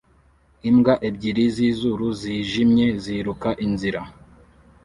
imbwa ebyiri zizuru zijimye ziruka inzira